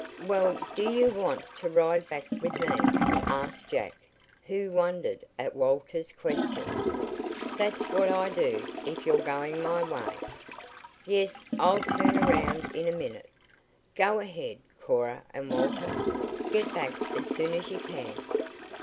"Well, do you want to ride back with me?" asked Jack, who wondered at Walter's question. "That's what I do, if you're goin' my way." "Yes, I'll turn around in a minute. Go ahead, Cora and Walter. Get back as soon as you can."